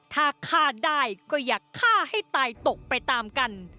ถ้าฆ่าได้ก็อยากฆ่าให้ตายตกไปตามกัน